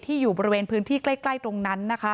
ที่อยู่บริเวณพื้นที่ใกล้ตรงนั้น